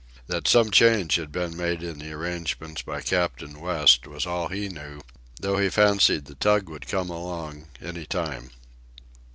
That some change had been made in the arrangements by Captain West was all he knew, though he fancied the tug would come along any time.